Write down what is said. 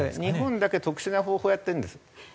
日本だけ特殊な方法をやってるんです。